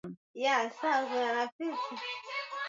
Jaribio la kwanza aliibuka mshindi.